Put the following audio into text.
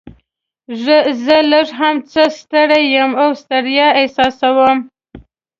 زه هم لږ څه ستړی یم او ستړیا احساسوم.